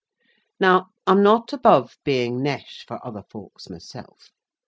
Now, I'm not above being nesh for other folks myself.